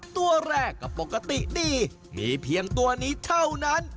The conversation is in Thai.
ตัวแรกก็ปกติดีมีเพียงตัวนี้เท่านั้น